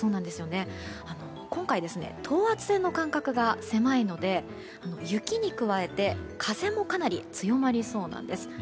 今回等圧線の間隔が狭いので雪に加えて風もかなり強まりそうなんです。